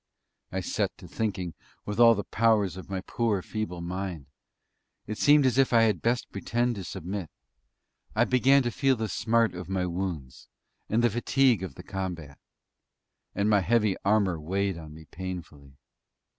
I set to thinking with all the powers of my poor, feeble mind. It seemed as if I had best pretend to submit. I began to feel the smart of my wounds, and the fatigue of the combat; and my heavy armour weighed on me painfully.